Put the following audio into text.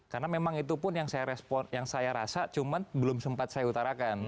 karena memang itu pun yang saya rasa cuma belum sempat saya utarakan